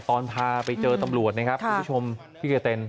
ตอนพาไปเจอตำรวจนะครับคุณผู้ชมพี่เจเต็น